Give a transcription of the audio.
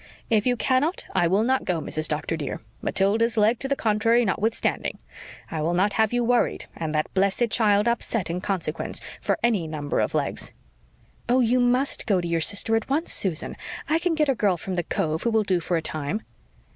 "If you cannot I will not go, Mrs. Doctor, dear, Matilda's leg to the contrary notwithstanding. I will not have you worried, and that blessed child upset in consequence, for any number of legs." "Oh, you must go to your sister at once, Susan. I can get a girl from the cove, who will do for a time."